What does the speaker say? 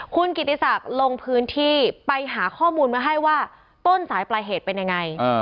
คุณกิติศักดิ์ลงพื้นที่ไปหาข้อมูลมาให้ว่าต้นสายปลายเหตุเป็นยังไง